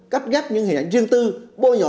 cắt ghép những hình ảnh riêng tư bôi nhỏ